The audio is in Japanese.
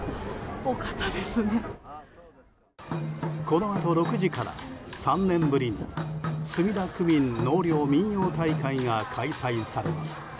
このあと６時から３年ぶりに墨田区民納涼民踊大会が開催されます。